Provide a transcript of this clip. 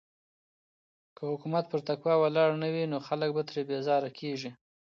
که حکومت پر تقوی ولاړ نه وي نو خلګ ترې بېزاره کيږي.